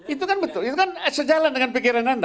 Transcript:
itu kan betul itu kan sejalan dengan pikiran anda